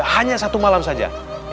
hanya satu malam saja